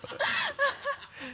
ハハハ